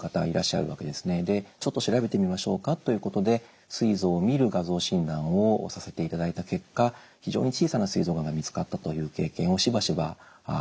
で「ちょっと調べてみましょうか？」ということですい臓を診る画像診断をさせていただいた結果非常に小さなすい臓がんが見つかったという経験をしばしば持っております。